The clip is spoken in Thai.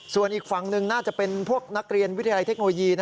ส่วนอีกฝั่งหนึ่งน่าจะเป็นพวกนักเรียนวิทยาลัยเทคโนโลยี